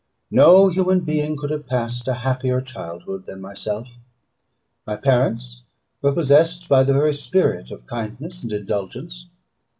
No human being could have passed a happier childhood than myself. My parents were possessed by the very spirit of kindness and indulgence.